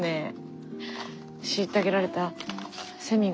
虐げられたセミが。